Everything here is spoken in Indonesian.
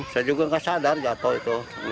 saya juga nggak sadar jatuh itu